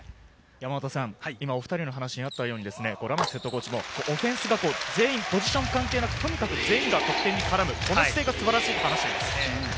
お２人の話にあったように、ラマスヘッドコーチもオフェンスがポジション関係なく、全員が得点に絡む、この姿勢が素晴らしいと話しています。